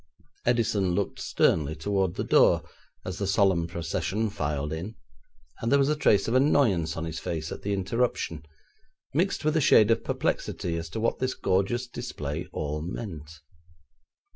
Edison looked sternly towards the door as the solemn procession filed in, and there was a trace of annoyance on his face at the interruption, mixed with a shade of perplexity as to what this gorgeous display all meant.